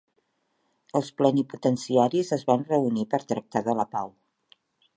Els plenipotenciaris es van reunir per tractar de la pau.